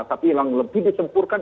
tapi yang lebih disempurkan